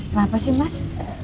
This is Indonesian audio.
kenapa sih mas